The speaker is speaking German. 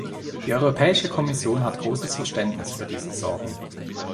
Die Europäische Kommission hat großes Verständnis für diese Sorgen.